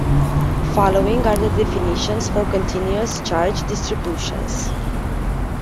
Following are the definitions for continuous charge distributions.